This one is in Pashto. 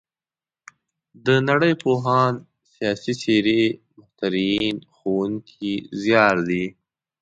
د نړۍ پوهان، سیاسي څېرې، مخترعین د ښوونکي زیار دی.